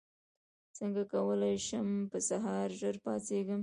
څنګه کولی شم په سهار ژر پاڅېږم